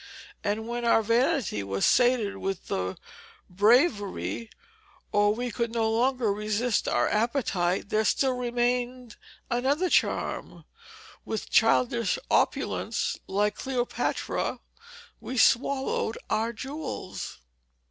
And when our vanity was sated with the bravery, or we could no longer resist our appetite, there still remained another charm: with childish opulence, like Cleopatra, we swallowed our jewels.